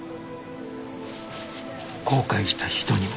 後悔した人にも